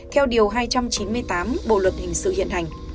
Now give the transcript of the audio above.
theo điều hai trăm chín mươi tám bộ luật hình sự hiện hành